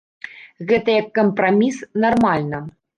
Гэта як кампраміс нармальна.